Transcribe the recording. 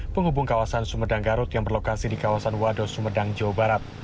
penghubung kawasan sumedang garut yang berlokasi di kawasan wado sumedang jawa barat